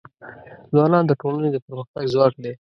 ځوانان د ټولنې د پرمختګ ځواک دی.